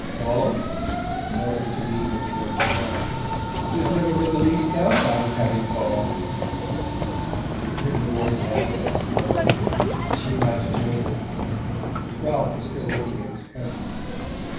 "Paul?" Laura intervened with a nervous laugh. "But there's never been the least doubt about his having Paul!" They heard the boy's laughter on the lawn, and she went out to join him. Ralph was still looking at his cousin.